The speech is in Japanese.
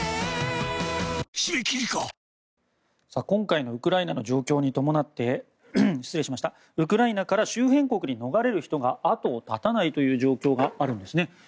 今回のウクライナの状況に伴ってウクライナから周辺国に逃れる人が後を絶たないという状況があるんですね。